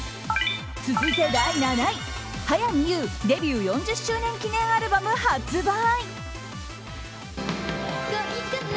続いて第７位早見優、デビュー４０周年記念アルバム発売。